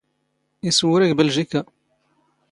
ⵉⵙⵡⵓⵔⵉ ⴳ ⴱⵍⵊⵉⴽⴰ.